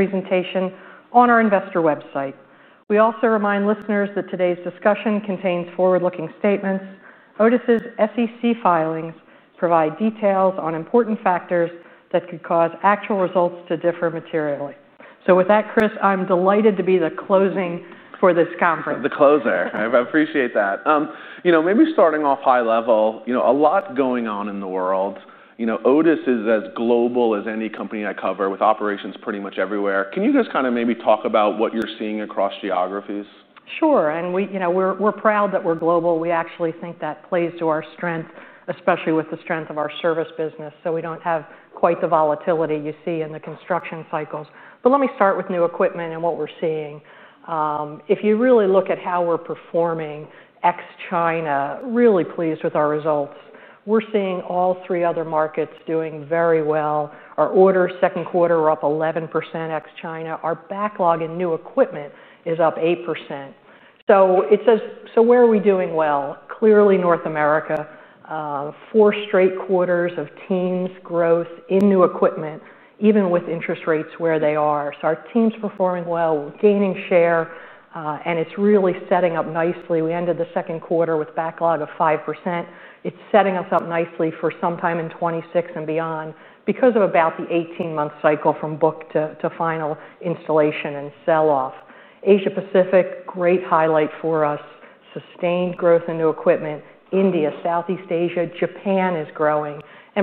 Presentation on our investor website. We also remind listeners that today's discussion contains forward-looking statements. Otis's SEC filings provide details on important factors that could cause actual results to differ materially. With that, Chris, I'm delighted to be the closing for this conference. I appreciate that. Maybe starting off high level, there's a lot going on in the world. Otis is as global as any company I cover, with operations pretty much everywhere. Can you just maybe talk about what you're seeing across geographies? Sure. We are proud that we're global. We actually think that plays to our strength, especially with the strength of our service business. We don't have quite the volatility you see in the construction cycles. Let me start with new equipment and what we're seeing. If you really look at how we're performing, ex-China, really pleased with our results. We're seeing all three other markets doing very well. Our orders second quarter are up 11% ex-China. Our backlog in new equipment is up 8%. Where are we doing well? Clearly, North America, four straight quarters of teens growth in new equipment, even with interest rates where they are. Our team's performing well, gaining share, and it's really setting up nicely. We ended the second quarter with a backlog of 5%. It's setting us up nicely for some time in 2026 and beyond because of about the 18-month cycle from book to final installation and sell-off. Asia-Pacific, great highlight for us, sustained growth in new equipment. India, Southeast Asia, Japan is growing.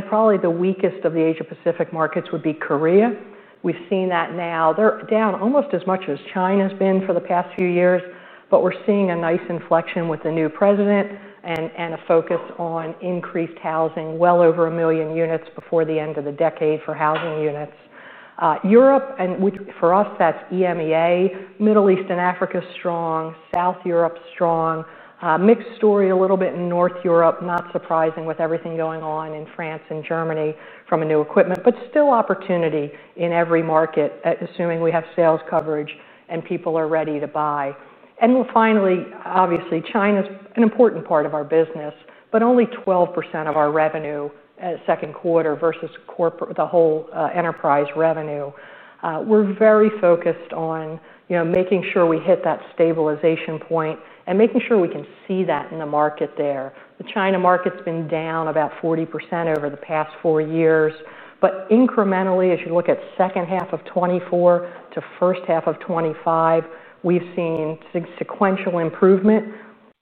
Probably the weakest of the Asia-Pacific markets would be Korea. We've seen that now. They're down almost as much as China's been for the past few years, but we're seeing a nice inflection with the new president and a focus on increased housing, well over a million units before the end of the decade for housing units. Europe, and for us, that's EMEA, Middle East and Africa strong, South Europe strong. Mixed story a little bit in North Europe, not surprising with everything going on in France and Germany from a new equipment, but still opportunity in every market, assuming we have sales coverage and people are ready to buy. Finally, obviously, China's an important part of our business, but only 12% of our revenue second quarter versus the whole enterprise revenue. We're very focused on making sure we hit that stabilization point and making sure we can see that in the market there. The China market's been down about 40% over the past four years. Incrementally, as you look at the second half of 2024 to the first half of 2025, we've seen sequential improvement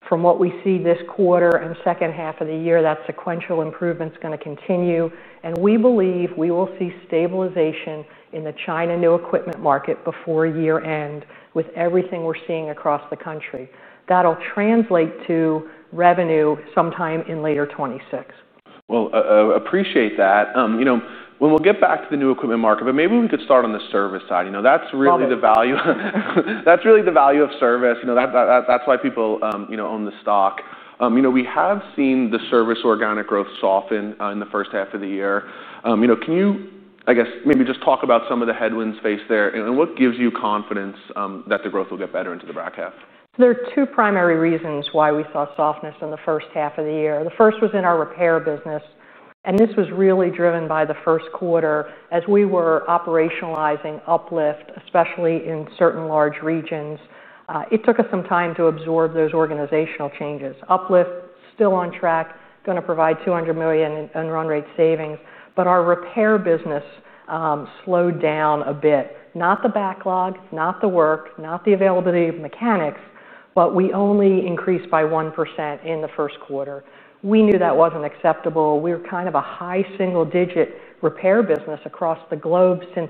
from what we see this quarter and the second half of the year. That sequential improvement's going to continue. We believe we will see stabilization in the China new equipment market before year end with everything we're seeing across the country. That'll translate to revenue sometime in later 2026. I appreciate that. You know, when we'll get back to the new equipment market, but maybe we could start on the service side. You know, that's really the value of service. That's why people own the stock. We have seen the service organic growth soften in the first half of the year. Can you, I guess, maybe just talk about some of the headwinds faced there and what gives you confidence that the growth will get better into the bracket? There are two primary reasons why we saw softness in the first half of the year. The first was in our repair business. This was really driven by the first quarter as we were operationalizing Uplift, especially in certain large regions. It took us some time to absorb those organizational changes. Uplift is still on track, going to provide $200 million in run-rate savings. Our repair business slowed down a bit. Not the backlog, not the work, not the availability of mechanics, but we only increased by 1% in the first quarter. We knew that wasn't acceptable. We were kind of a high single-digit repair business across the globe since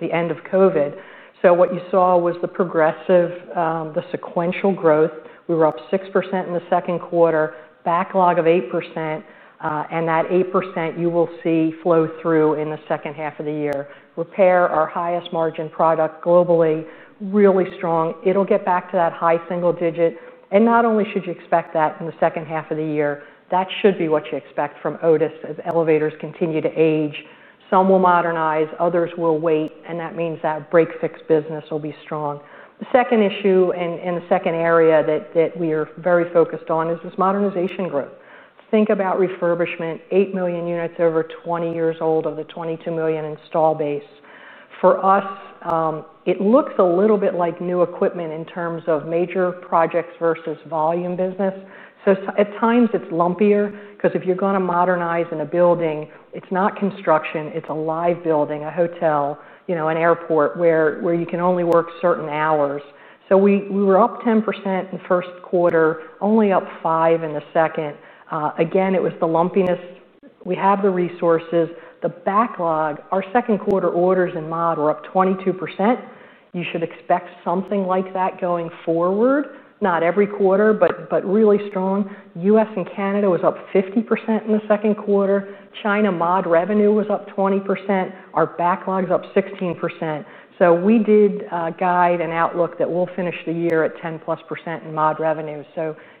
the end of COVID. What you saw was the progressive, the sequential growth. We were up 6% in the second quarter, backlog of 8%. That 8% you will see flow through in the second half of the year. Repair, our highest margin product globally, really strong. It'll get back to that high single digit. Not only should you expect that in the second half of the year, that should be what you expect from Otis. Elevators continue to age. Some will modernize, others will wait. That means that break-fix business will be strong. The second issue and the second area that we are very focused on is this modernization growth. Think about refurbishment, 8 million units over 20 years old of the 22 million install base. For us, it looks a little bit like new equipment in terms of major projects versus volume business. At times it's lumpier because if you're going to modernize in a building, it's not construction. It's a live building, a hotel, an airport where you can only work certain hours. We were up 10% in the first quarter, only up 5% in the second. It was the lumpiness. We have the resources. The backlog, our second quarter orders in mod were up 22%. You should expect something like that going forward, not every quarter, but really strong. U.S. and Canada was up 50% in the second quarter. China mod revenue was up 20%. Our backlog's up 16%. We did guide an outlook that we'll finish the year at 10% plus in mod revenue.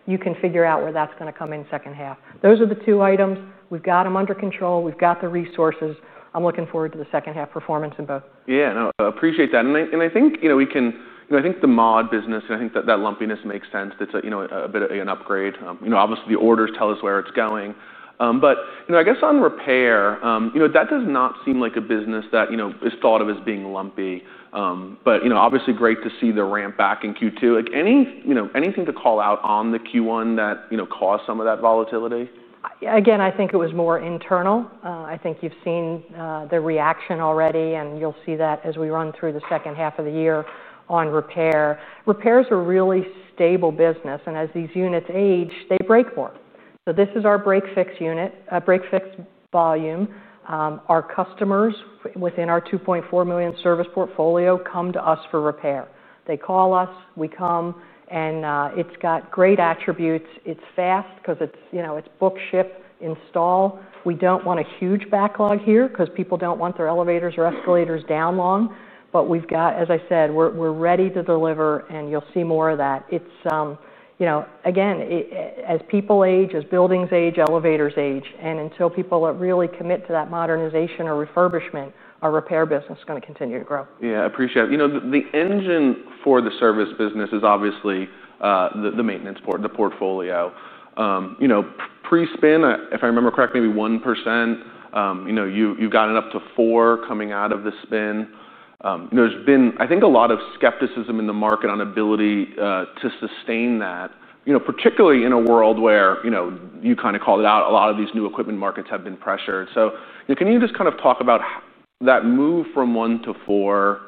You can figure out where that's going to come in second half. Those are the two items. We've got them under control. We've got the resources. I'm looking forward to the second half performance in both. Yeah, I appreciate that. I think we can, I think the mod business and I think that lumpiness makes sense. It's a bit of an upgrade. Obviously, the orders tell us where it's going. I guess on repair, that does not seem like a business that is thought of as being lumpy. Obviously, great to see the ramp back in Q2. Anything to call out on the Q1 that caused some of that volatility? Yeah, again, I think it was more internal. I think you've seen the reaction already, and you'll see that as we run through the second half of the year on repair. Repairs are a really stable business. As these units age, they break more. This is our break-fix unit, break-fix volume. Our customers within our 2.4 million service portfolio come to us for repair. They call us, we come, and it's got great attributes. It's fast because it's, you know, it's book ship install. We don't want a huge backlog here because people don't want their elevators or escalators down long. We've got, as I said, we're ready to deliver, and you'll see more of that. Again, as people age, as buildings age, elevators age, and until people really commit to that modernization or refurbishment, our repair business is going to continue to grow. Yeah, I appreciate it. You know, the engine for the service business is obviously the maintenance portfolio. Pre-spin, if I remember correctly, maybe 1%. You got it up to 4% coming out of the spin. There's been, I think, a lot of skepticism in the market on the ability to sustain that, particularly in a world where, you kind of called it out, a lot of these new equipment markets have been pressured. Can you just kind of talk about that move from 1%-4%?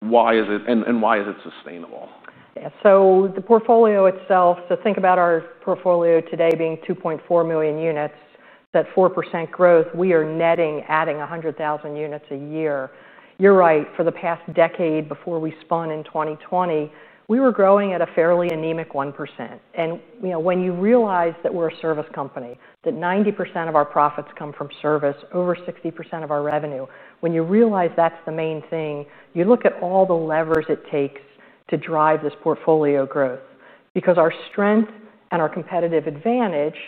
Why is it, and why is it sustainable? Yeah, so the portfolio itself, so think about our portfolio today being 2.4 million units, that 4% growth, we are netting, adding 100,000 units a year. You're right, for the past decade before we spun in 2020, we were growing at a fairly anemic 1%. When you realize that we're a service company, that 90% of our profits come from service, over 60% of our revenue, when you realize that's the main thing, you look at all the levers it takes to drive this portfolio growth. Our strength and our competitive advantage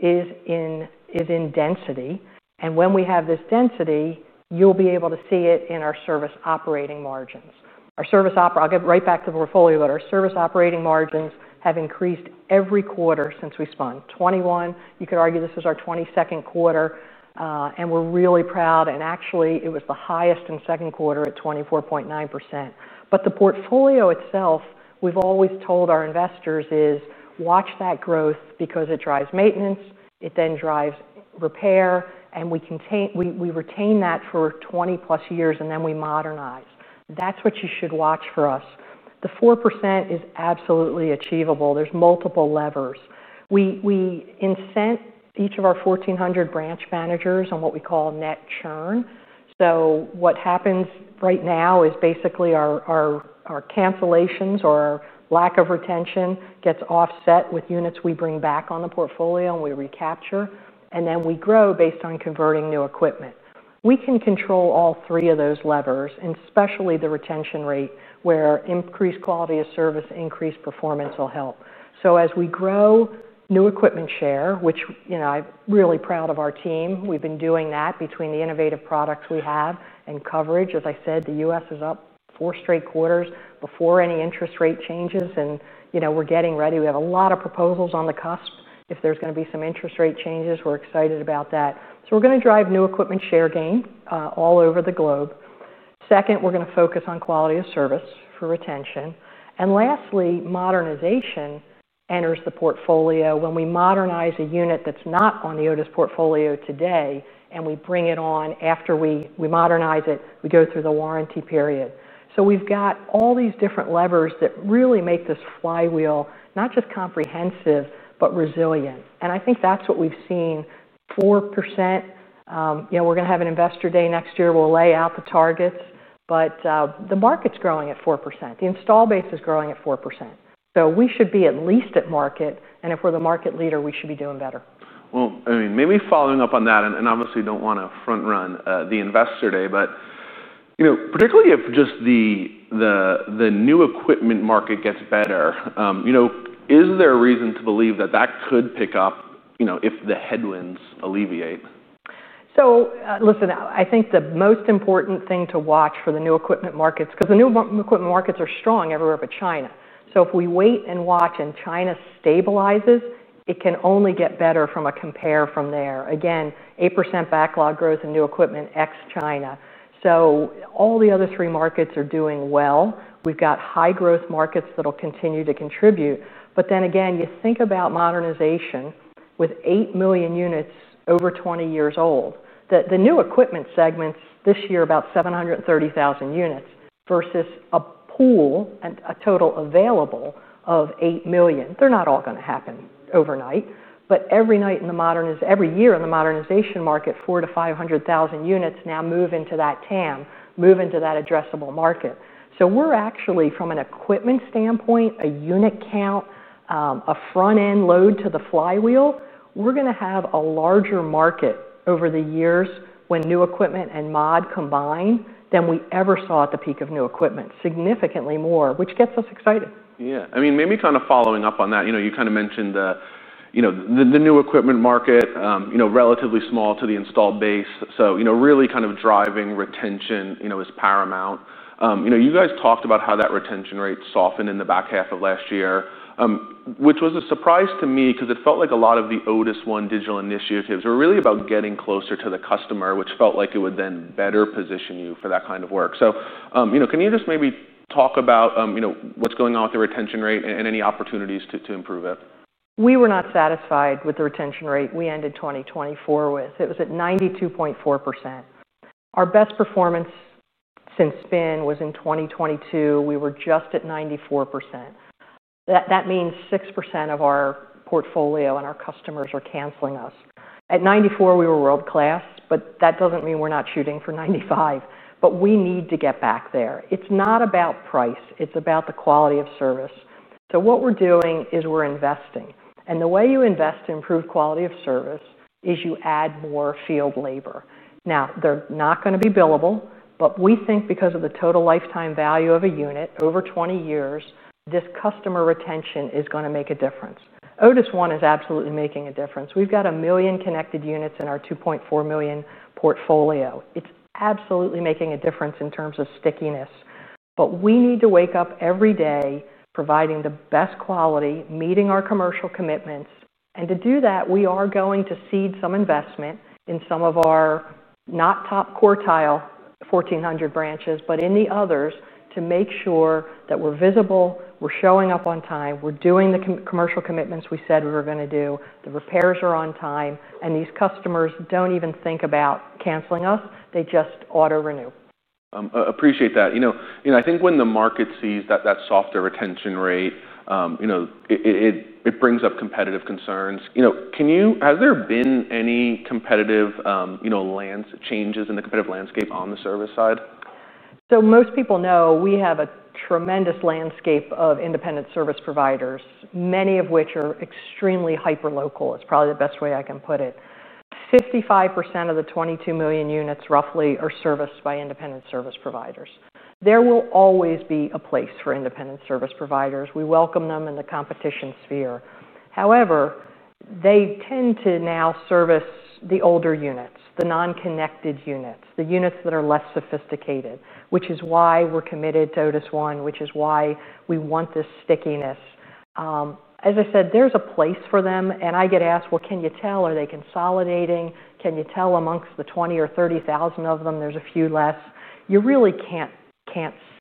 is in density. When we have this density, you'll be able to see it in our service operating margins. I'll get right back to the portfolio, but our service operating margins have increased every quarter since we spun. 2021, you could argue this was our 22nd quarter, and we're really proud. Actually, it was the highest in the second quarter at 24.9%. The portfolio itself, we've always told our investors, is watch that growth because it drives maintenance, it then drives repair, and we retain that for 20+ years, and then we modernize. That's what you should watch for us. The 4% is absolutely achievable. There's multiple levers. We incent each of our 1,400 branch managers on what we call net churn. What happens right now is basically our cancellations or our lack of retention gets offset with units we bring back on the portfolio and we recapture, and then we grow based on converting new equipment. We can control all three of those levers, and especially the retention rate where increased quality of service, increased performance will help. As we grow new equipment share, which, you know, I'm really proud of our team, we've been doing that between the innovative products we have and coverage. As I said, the U.S. is up four straight quarters before any interest rate changes, and you know, we're getting ready. We have a lot of proposals on the cusp if there's going to be some interest rate changes. We're excited about that. We're going to drive new equipment share gain all over the globe. Second, we're going to focus on quality of service for retention. Lastly, modernization enters the portfolio. When we modernize a unit that's not on the Otis portfolio today, and we bring it on after we modernize it, we go through the warranty period. We've got all these different levers that really make this flywheel not just comprehensive, but resilient. I think that's what we've seen, 4%. We're going to have an Investor Day next year. We'll lay out the targets, but the market's growing at 4%. The install base is growing at 4%. We should be at least at market, and if we're the market leader, we should be doing better. Maybe following up on that, and obviously don't want to front run the Investor Day, but you know, particularly if just the new equipment market gets better, is there a reason to believe that could pick up if the headwinds alleviate? I think the most important thing to watch for the new equipment markets, because the new equipment markets are strong everywhere but China. If we wait and watch and China stabilizes, it can only get better from a compare from there. Again, 8% backlog growth in new equipment ex-China. All the other three markets are doing well. We've got high growth markets that'll continue to contribute. You think about modernization with 8 million units over 20 years old. The new equipment segments this year are about 730,000 units versus a pool and a total available of 8 million. They're not all going to happen overnight. Every year in the modernization market, 400,000 units- units now move into that TAM, move into that addressable market. We're actually, from an equipment standpoint, a unit count, a front-end load to the flywheel, going to have a larger market over the years when new equipment and mod combine than we ever saw at the peak of new equipment, significantly more, which gets us excited. Yeah, I mean, maybe kind of following up on that, you know, you kind of mentioned the, you know, the new equipment market, you know, relatively small to the install base. You know, really kind of driving retention, you know, is paramount. You guys talked about how that retention rate softened in the back half of last year, which was a surprise to me because it felt like a lot of the Otis ONE digital initiatives were really about getting closer to the customer, which felt like it would then better position you for that kind of work. Can you just maybe talk about, you know, what's going on with the retention rate and any opportunities to improve it? We were not satisfied with the retention rate we ended 2024 with. It was at 92.4%. Our best performance since spin-off was in 2022. We were just at 94%. That means 6% of our portfolio and our customers are canceling us. At 94%, we were world-class, but that doesn't mean we're not shooting for 95%. We need to get back there. It's not about price. It's about the quality of service. What we're doing is we're investing. The way you invest in improved quality of service is you add more field labor. Now, they're not going to be billable, but we think because of the total lifetime value of a unit over 20 years, this customer retention is going to make a difference. Otis ONE is absolutely making a difference. We've got a million connected units in our 2.4 million portfolio. It's absolutely making a difference in terms of stickiness. We need to wake up every day providing the best quality, meeting our commercial commitments. To do that, we are going to seed some investment in some of our not top quartile 1,400 branches, but in the others to make sure that we're visible, we're showing up on time, we're doing the commercial commitments we said we were going to do, the repairs are on time, and these customers don't even think about canceling us. They just auto-renew. Appreciate that. I think when the market sees that softer retention rate, it brings up competitive concerns. Has there been any competitive changes in the competitive landscape on the service side? Most people know we have a tremendous landscape of independent service providers, many of which are extremely hyperlocal. It's probably the best way I can put it. 55% of the 22 million units, roughly, are serviced by independent service providers. There will always be a place for independent service providers. We welcome them in the competition sphere. However, they tend to now service the older units, the non-connected units, the units that are less sophisticated, which is why we're committed to Otis ONE, which is why we want this stickiness. As I said, there's a place for them. I get asked, can you tell, are they consolidating? Can you tell amongst the 20,000 or 30,000 of them there's a few less? You really can't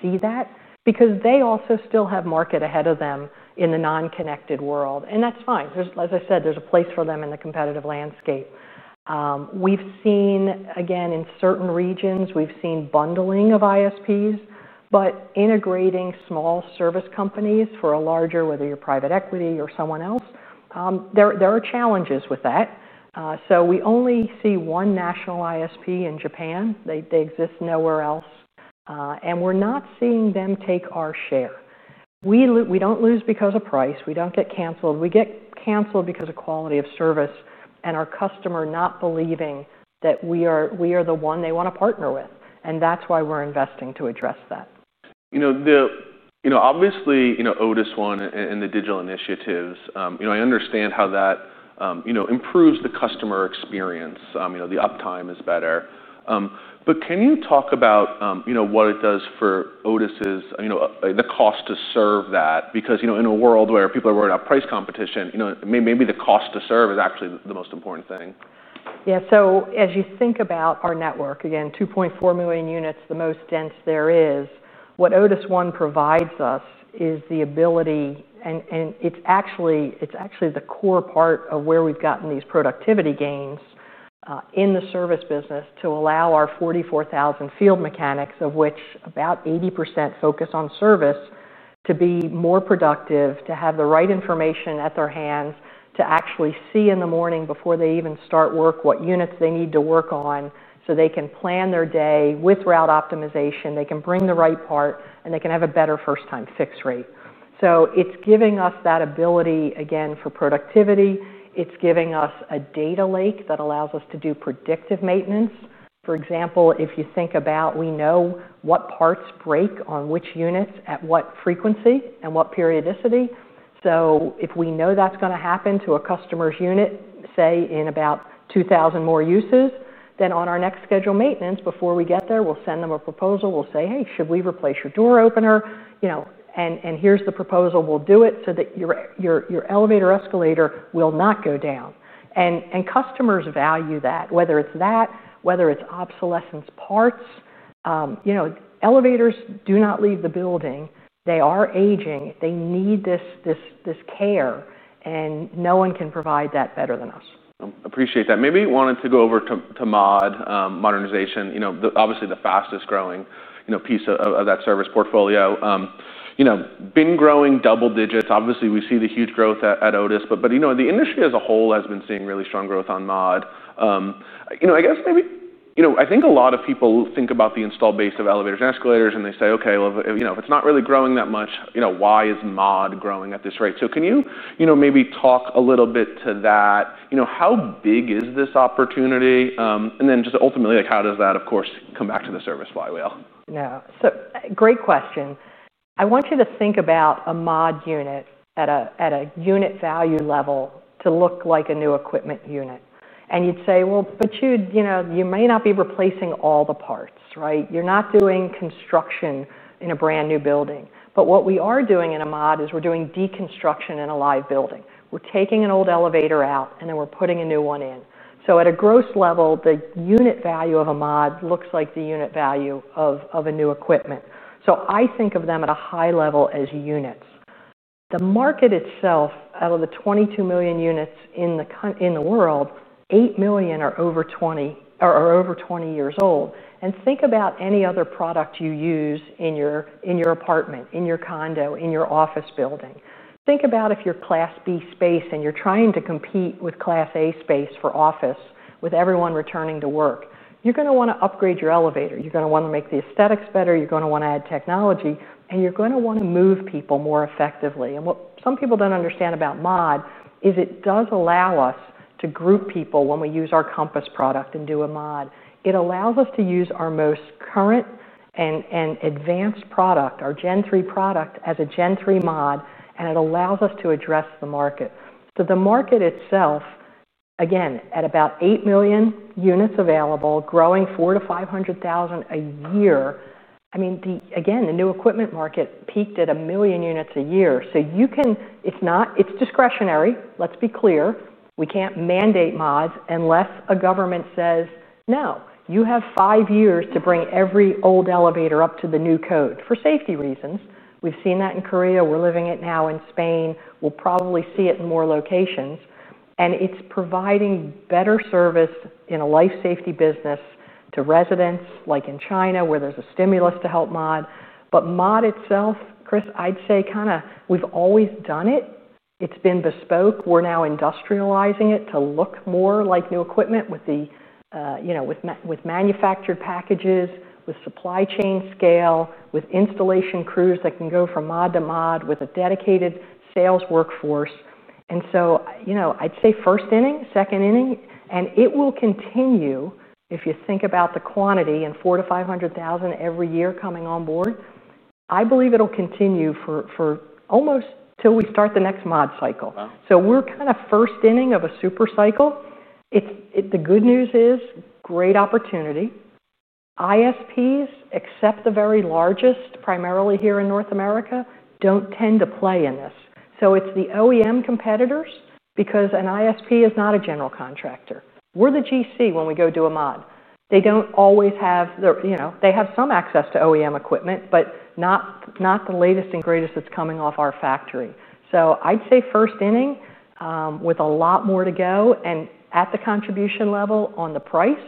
see that because they also still have market ahead of them in the non-connected world. That's fine. As I said, there's a place for them in the competitive landscape. We've seen, again, in certain regions, bundling of independent service providers, but integrating small service companies for a larger, whether you're private equity or someone else, there are challenges with that. We only see one national independent service provider in Japan. They exist nowhere else. We're not seeing them take our share. We don't lose because of price. We don't get canceled. We get canceled because of quality of service and our customer not believing that we are the one they want to partner with. That's why we're investing to address that. Obviously, Otis ONE and the digital initiatives, I understand how that improves the customer experience. The uptime is better. Can you talk about what it does for Otis's cost to serve? In a world where people are worried about price competition, maybe the cost to serve is actually the most important thing. Yeah, as you think about our network, again, 2.4 million units, the most dense there is, what Otis ONE provides us is the ability, and it's actually the core part of where we've gotten these productivity gains in the service business to allow our 44,000 field mechanics, of which about 80% focus on service, to be more productive, to have the right information at their hands, to actually see in the morning before they even start work what units they need to work on so they can plan their day with route optimization, they can bring the right part, and they can have a better first-time fix rate. It's giving us that ability, again, for productivity. It's giving us a data lake that allows us to do predictive maintenance. For example, if you think about we know what parts break on which units, at what frequency, and what periodicity. If we know that's going to happen to a customer's unit, say, in about 2,000 more uses, then on our next scheduled maintenance, before we get there, we'll send them a proposal. We'll say, hey, should we replace your door opener? You know, and here's the proposal. We'll do it so that your elevator or escalator will not go down. Customers value that, whether it's that, whether it's obsolescence parts. Elevators do not leave the building. They are aging. They need this care, and no one can provide that better than us. Appreciate that. Maybe you wanted to go over to mod, modernization, obviously the fastest growing piece of that service portfolio. Been growing double digits. Obviously, we see the huge growth at Otis Worldwide Corporation, but the industry as a whole has been seeing really strong growth on mod. I guess maybe, I think a lot of people think about the install base of elevators and escalators, and they say, okay, if it's not really growing that much, why is mod growing at this rate? Can you maybe talk a little bit to that? How big is this opportunity? Ultimately, how does that, of course, come back to the service flywheel? Great question. I want you to think about a mod unit at a unit value level to look like a new equipment unit. You'd say, well, you may not be replacing all the parts, right? You're not doing construction in a brand new building. What we are doing in a mod is we're doing deconstruction in a live building. We're taking an old elevator out, and then we're putting a new one in. At a gross level, the unit value of a mod looks like the unit value of new equipment. I think of them at a high level as units. The market itself, out of the 22 million units in the world, 8 million are over 20 years old. Think about any other product you use in your apartment, in your condo, in your office building. Think about if you're Class B space and you're trying to compete with Class A space for office with everyone returning to work. You're going to want to upgrade your elevator. You're going to want to make the aesthetics better. You're going to want to add technology. You're going to want to move people more effectively. What some people don't understand about mod is it does allow us to group people when we use our Compass product and do a mod. It allows us to use our most current and advanced product, our Gen 3 product, as a Gen 3 Mod, and it allows us to address the market. The market itself, again, at about 8 million units available, growing 400,000 units-500,000 units a year. The new equipment market peaked at a million units a year. It's not, it's discretionary. Let's be clear. We can't mandate mods unless a government says, no, you have five years to bring every old elevator up to the new code for safety reasons. We've seen that in Korea. We're living it now in Spain. We'll probably see it in more locations. It's providing better service in a life safety business to residents, like in China, where there's a stimulus to help mod. Mod itself, Chris, I'd say kind of we've always done it. It's been bespoke. We're now industrializing it to look more like new equipment with manufactured packages, with supply chain scale, with installation crews that can go from mod to mod with a dedicated sales workforce. I'd say first inning, second inning, and it will continue. If you think about the quantity and 400,000-500,000 every year coming on board, I believe it'll continue for almost till we start the next mod cycle. We're kind of first inning of a super cycle. The good news is great opportunity. ISPs, except the very largest, primarily here in North America, don't tend to play in this. It's the OEM competitors because an ISP is not a general contractor. We're the GC when we go do a mod. They don't always have, you know, they have some access to OEM equipment, but not the latest and greatest that's coming off our factory. I'd say first inning with a lot more to go. At the contribution level on the price,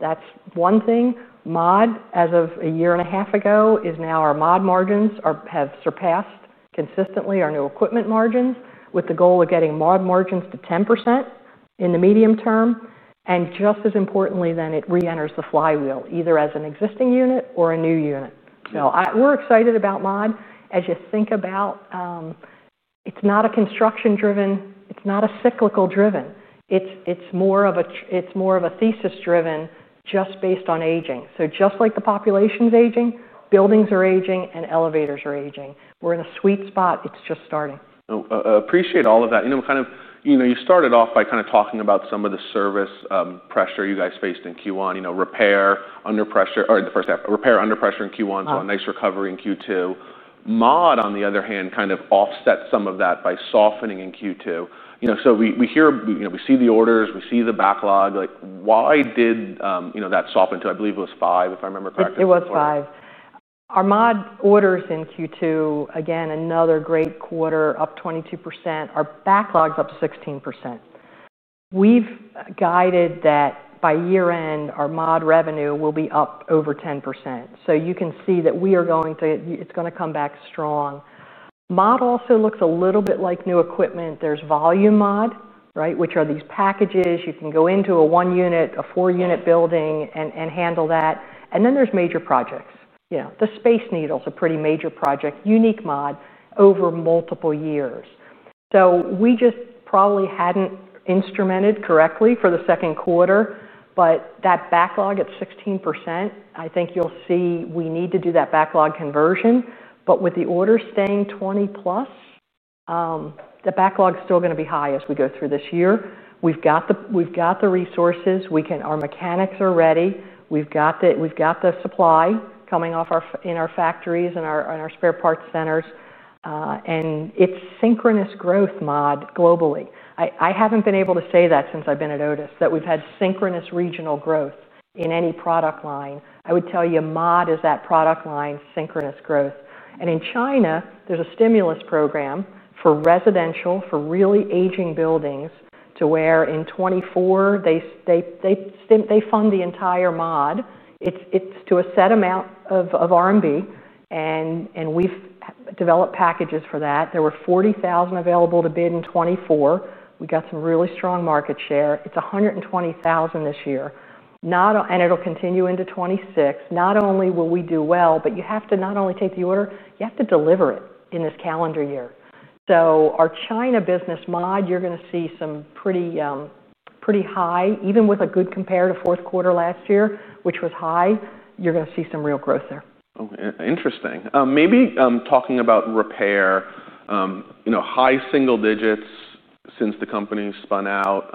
that's one thing. Mod, as of a year and a half ago, is now our mod margins have surpassed consistently our new equipment margins with the goal of getting mod margins to 10% in the medium term. Just as importantly, it reenters the flywheel either as an existing unit or a new unit. We're excited about mod. As you think about it, it's not a construction-driven, it's not a cyclical-driven. It's more of a thesis-driven just based on aging. Just like the population is aging, buildings are aging and elevators are aging. We're in a sweet spot. It's just starting. Appreciate all of that. You started off by talking about some of the service pressure you guys faced in Q1, repair under pressure, or the first half, repair under pressure in Q1, so a nice recovery in Q2. Mod, on the other hand, offset some of that by softening in Q2. We hear, we see the orders, we see the backlog. Why did that soften to, I believe it was five, if I remember correctly. It was five. Our mod orders in Q2, again, another great quarter, up 22%. Our backlog's up to 16%. We've guided that by year-end, our mod revenue will be up over 10%. You can see that we are going to, it's going to come back strong. Mod also looks a little bit like new equipment. There's volume mod, right, which are these packages. You can go into a one-unit, a four-unit building and handle that. Then there's major projects. The Space Needle is a pretty major project, unique mod over multiple years. We just probably hadn't instrumented correctly for the second quarter. That backlog at 16%, I think you'll see we need to do that backlog conversion. With the order staying 20 plus, the backlog is still going to be high as we go through this year. We've got the resources. Our mechanics are ready. We've got the supply coming off in our factories and our spare parts centers. It's synchronous growth mod globally. I haven't been able to say that since I've been at Otis, that we've had synchronous regional growth in any product line. I would tell you mod is that product line, synchronous growth. In China, there's a stimulus program for residential, for really aging buildings to where in 2024, they fund the entire mod. It's to a set amount of RMB. We've developed packages for that. There were 40,000 available to bid in 2024. We got some really strong market share. It's 120,000 this year, and it'll continue into 2026. Not only will we do well, but you have to not only take the order, you have to deliver it in this calendar year. Our China business mod, you're going to see some pretty high, even with a good comparative fourth quarter last year, which was high, you're going to see some real growth there. Interesting. Maybe talking about repair, you know, high single digits since the company spun out.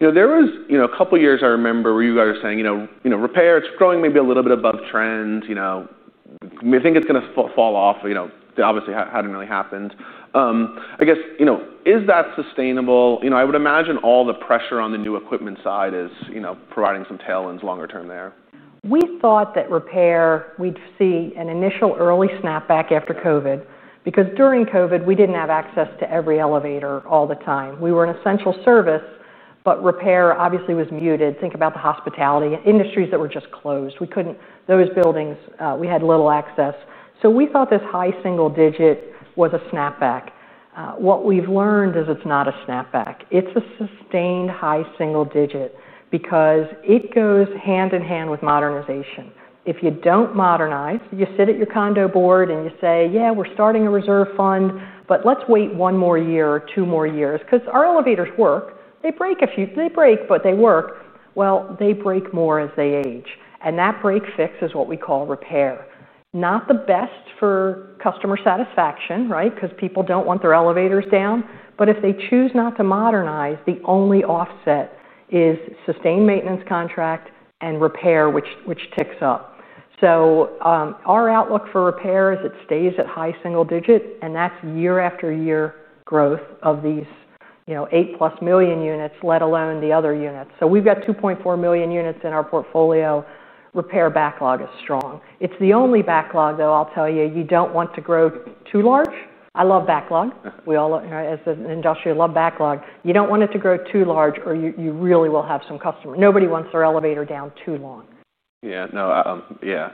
There was a couple of years I remember where you guys were saying, you know, repair, it's growing maybe a little bit above trends. We think it's going to fall off. Obviously it hadn't really happened. I guess, is that sustainable? I would imagine all the pressure on the new equipment side is providing some tailwinds longer term there. We thought that repair, we'd see an initial early snapback after COVID because during COVID, we didn't have access to every elevator all the time. We were an essential service, but repair obviously was muted. Think about the hospitality industries that were just closed. We couldn't, those buildings, we had little access. We thought this high single digit was a snapback. What we've learned is it's not a snapback. It's a sustained high single digit because it goes hand in hand with modernization. If you don't modernize, you sit at your condo board and you say, yeah, we're starting a reserve fund, but let's wait one more year or two more years because our elevators work. They break, they break, but they work. They break more as they age. That break fix is what we call repair. Not the best for customer satisfaction, right? Because people don't want their elevators down. If they choose not to modernize, the only offset is sustained maintenance contract and repair, which ticks up. Our outlook for repair is it stays at high single digits, and that's year after year growth of these, you know, 8+ million units, let alone the other units. We've got 2.4 million units in our portfolio. Repair backlog is strong. It's the only backlog, though, I'll tell you, you don't want to grow too large. I love backlog. We all, as an industrial, love backlog. You don't want it to grow too large or you really will have some customers. Nobody wants their elevator down too long. Yeah,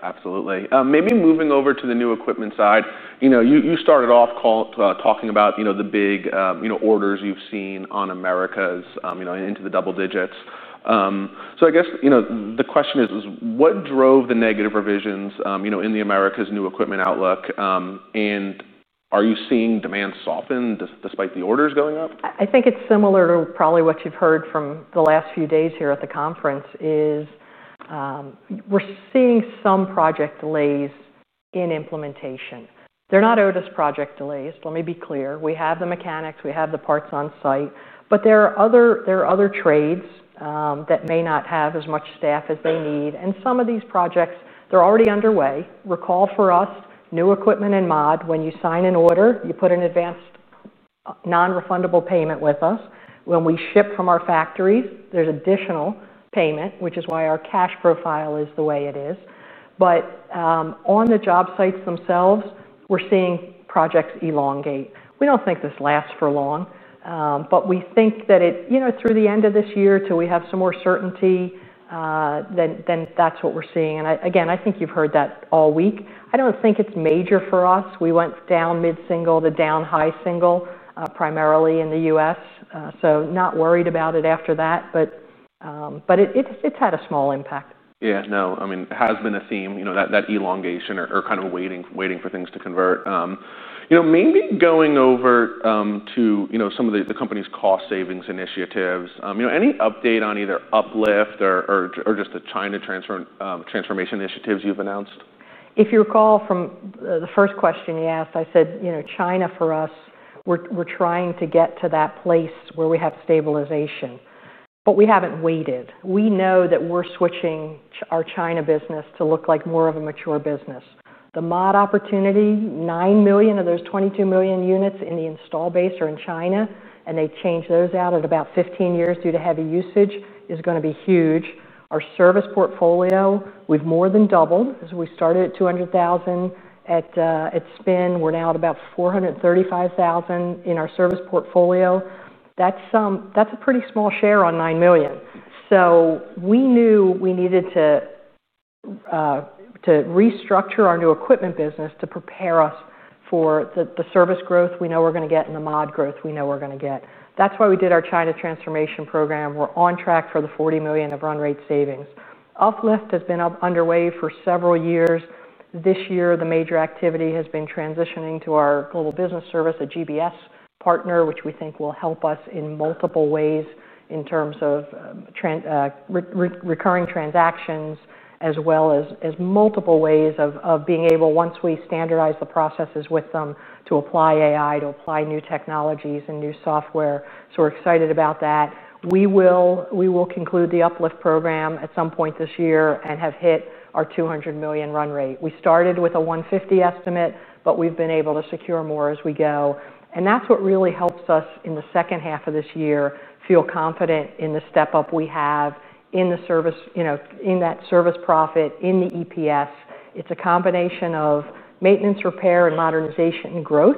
absolutely. Maybe moving over to the new equipment side, you started off talking about the big orders you've seen on Americas, into the double digits. I guess the question is, what drove the negative revisions in the Americas new equipment outlook? Are you seeing demand soften despite the orders going up? I think it's similar to probably what you've heard from the last few days here at the conference. We're seeing some project delays in implementation. They're not Otis project delays. Let me be clear. We have the mechanics, we have the parts on site, but there are other trades that may not have as much staff as they need. Some of these projects, they're already underway. Recall for us, new equipment and mod, when you sign an order, you put an advanced non-refundable payment with us. When we ship from our factories, there's additional payment, which is why our cash profile is the way it is. On the job sites themselves, we're seeing projects elongate. We don't think this lasts for long. We think that it, you know, through the end of this year till we have some more certainty, that's what we're seeing. I think you've heard that all week. I don't think it's major for us. We went down mid-single, the down-high single primarily in the U.S. Not worried about it after that, but it's had a small impact. Yeah, no, I mean, it has been a theme, you know, that elongation or kind of waiting for things to convert. Maybe going over to some of the company's cost savings initiatives, any update on either Uplift or just the China Transformation Program initiatives you've announced? If you recall from the first question you asked, I said, you know, China for us, we're trying to get to that place where we have stabilization, but we haven't waited. We know that we're switching our China business to look like more of a mature business. The mod opportunity, 9 million of those 22 million units in the install base are in China, and they change those out at about 15 years due to heavy usage, is going to be huge. Our service portfolio, we've more than doubled. We started at 200,000 at spin. We're now at about 435,000 in our service portfolio. That's a pretty small share on 9 million. We knew we needed to restructure our new equipment business to prepare us for the service growth we know we're going to get and the mod growth we know we're going to get. That's why we did our China Transformation Program. We're on track for the $40 million of run-rate savings. Uplift has been underway for several years. This year, the major activity has been transitioning to our global business service, a GBS partner, which we think will help us in multiple ways in terms of recurring transactions, as well as multiple ways of being able, once we standardize the processes with them, to apply AI, to apply new technologies and new software. We're excited about that. We will conclude the Uplift program at some point this year and have hit our $200 million run-rate. We started with a $150 million estimate, but we've been able to secure more as we go. That's what really helps us in the second half of this year feel confident in the step up we have in the service, you know, in that service profit, in the EPS. It's a combination of maintenance, repair, and modernization and growth,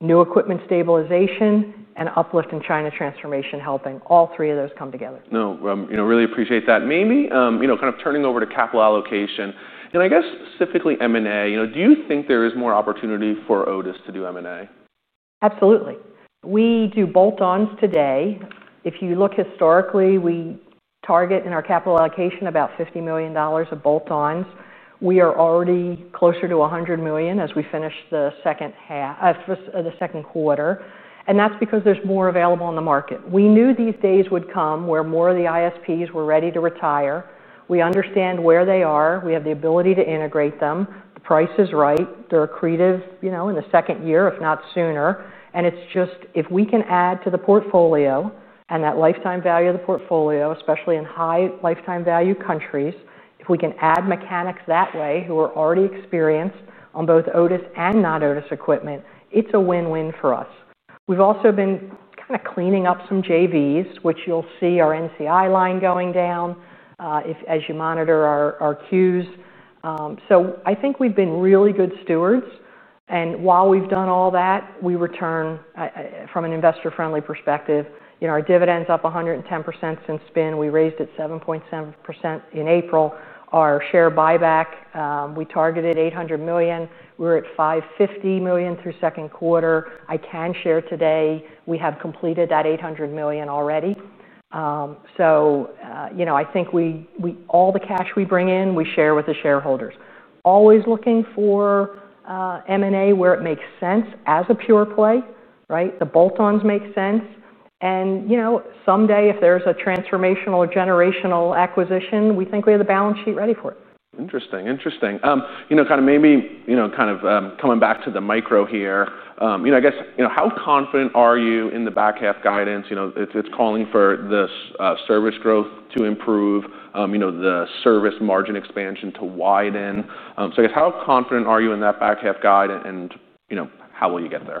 new equipment stabilization, and Uplift and China Transformation helping all three of those come together. No, really appreciate that. Maybe, kind of turning over to capital allocation. I guess specifically M&A, do you think there is more opportunity for Otis to do M&A? Absolutely. We do bolt-ons today. If you look historically, we target in our capital allocation about $50 million of bolt-ons. We are already closer to $100 million as we finish the second half of the second quarter. That's because there's more available in the market. We knew these days would come where more of the independent service providers were ready to retire. We understand where they are. We have the ability to integrate them. The price is right. They're accretive, you know, in the second year, if not sooner. It's just if we can add to the portfolio and that lifetime value of the portfolio, especially in high lifetime value countries, if we can add mechanics that way who are already experienced on both Otis and non-Otis equipment, it's a win-win for us. We've also been kind of cleaning up some joint ventures, which you'll see our non-controlling interest line going down as you monitor our queues. I think we've been really good stewards. While we've done all that, we return from an investor-friendly perspective. You know, our dividend's up 110% since spin-off. We raised it 7.7% in April. Our share buyback, we targeted $800 million. We're at $550 million through second quarter. I can share today we have completed that $800 million already. I think we, all the cash we bring in, we share with the shareholders. Always looking for M&A where it makes sense as a pure play, right? The bolt-ons make sense. You know, someday if there's a transformational or generational acquisition, we think we have the balance sheet ready for it. Interesting. Kind of coming back to the micro here, I guess, how confident are you in the back half guidance? It's calling for this service growth to improve, the service margin expansion to widen. I guess how confident are you in that back half guide, and how will you get there?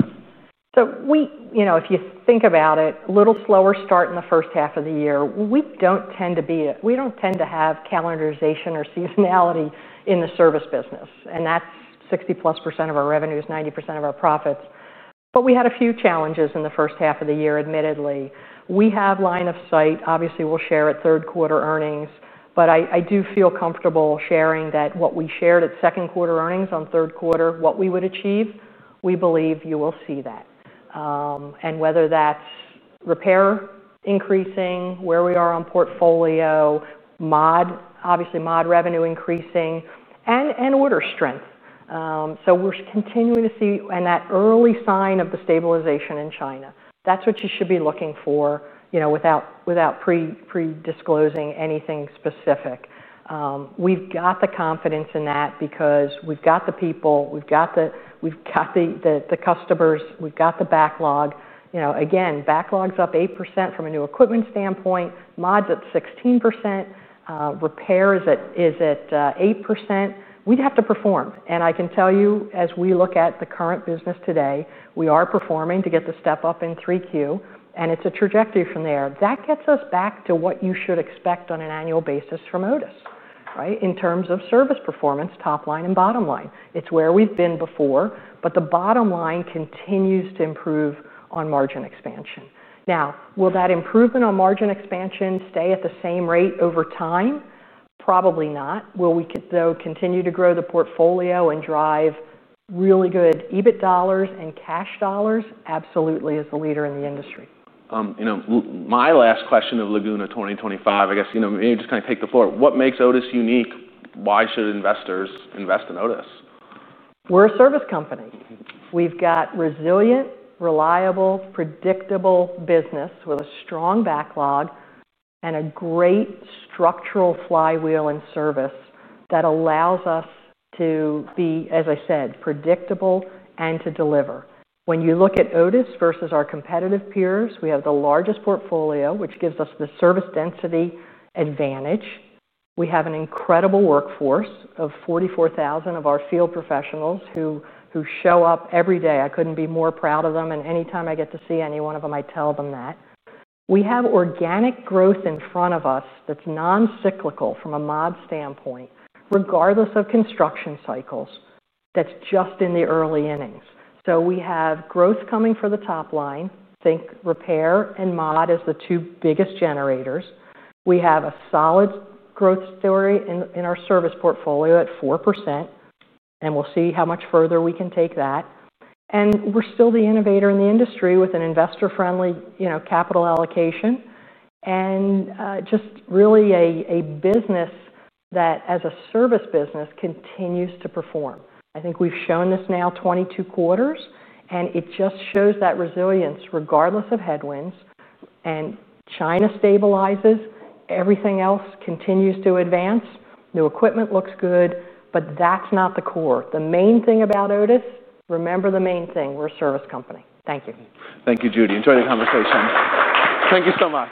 If you think about it, a little slower start in the first half of the year. We don't tend to have calendarization or seasonality in the service business, and that's 60+% of our revenues, 90% of our profits. We had a few challenges in the first half of the year, admittedly. We have line of sight. Obviously, we'll share at third quarter earnings. I do feel comfortable sharing that what we shared at second quarter earnings on third quarter, what we would achieve, we believe you will see that. Whether that's repair increasing, where we are on portfolio, mod, obviously mod revenue increasing, and order strength. We're continuing to see that early sign of the stabilization in China. That's what you should be looking for, without pre-disclosing anything specific. We've got the confidence in that because we've got the people, we've got the customers, we've got the backlog. Backlog's up 8% from a new equipment standpoint, mod's at 16%, repair is at 8%. We'd have to perform. I can tell you, as we look at the current business today, we are performing to get the step up in 3Q, and it's a trajectory from there. That gets us back to what you should expect on an annual basis from Otis, right? In terms of service performance, top line and bottom line. It's where we've been before, but the bottom line continues to improve on margin expansion. Now, will that improvement on margin expansion stay at the same rate over time? Probably not. Will we though continue to grow the portfolio and drive really good EBIT dollars and cash dollars? Absolutely, as a leader in the industry. You know, my last question of Laguna 2025, I guess, maybe just kind of take the floor. What makes Otis unique? Why should investors invest in Otis? We're a service company. We've got resilient, reliable, predictable business with a strong backlog and a great structural growth flywheel in service that allows us to be, as I said, predictable and to deliver. When you look at Otis versus our competitive peers, we have the largest portfolio, which gives us the service density advantage. We have an incredible workforce of 44,000 of our field professionals who show up every day. I couldn't be more proud of them, and anytime I get to see any one of them, I tell them that. We have organic growth in front of us that's non-cyclical from a mod standpoint, regardless of construction cycles. That's just in the early innings. We have growth coming for the top line. Think repair and mod as the two biggest generators. We have a solid growth story in our service portfolio at 4%, and we'll see how much further we can take that. We're still the innovator in the industry with an investor-friendly, you know, capital allocation and just really a business that, as a service business, continues to perform. I think we've shown this now 22 quarters, and it just shows that resilience regardless of headwinds. China stabilizes. Everything else continues to advance. New equipment looks good, but that's not the core. The main thing about Otis, remember the main thing, we're a service company. Thank you. Thank you, Judy, enjoying the conversation. Thank you so much.